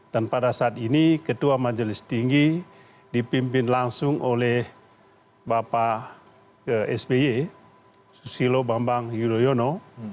dan pada saat ini ketua majelis tinggi dipimpin langsung oleh bapak sby susilo bambang yudhoyono